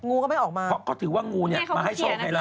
งูก็ไม่ออกมาก็ถือว่างูเนี่ยมาให้โชว์ใครล่ะ